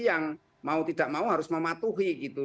yang mau tidak mau harus mematuhi gitu